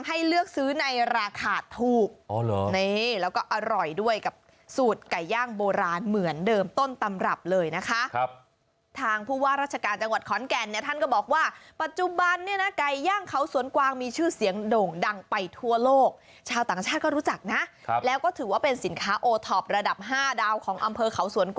ให้เลือกซื้อในราคาถูกนี่แล้วก็อร่อยด้วยกับสูตรไก่ย่างโบราณเหมือนเดิมต้นตำรับเลยนะคะครับทางผู้ว่าราชการจังหวัดขอนแก่นเนี่ยท่านก็บอกว่าปัจจุบันเนี่ยนะไก่ย่างเขาสวนกวางมีชื่อเสียงโด่งดังไปทั่วโลกชาวต่างชาติก็รู้จักนะแล้วก็ถือว่าเป็นสินค้าโอท็อประดับ๕ดาวของอำเภอเขาสวนก